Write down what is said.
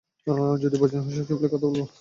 যদি প্রয়োজন হয়, সচিবালয়ে কথা বলবো।